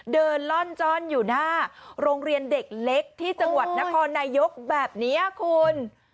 ล่อนจ้อนอยู่หน้าโรงเรียนเด็กเล็กที่จังหวัดนครนายกแบบนี้คุณ